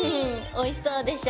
おいしそうでしょ？